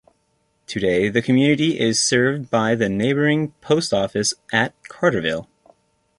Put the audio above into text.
Today, the community is served by the neighboring post office at Carterville.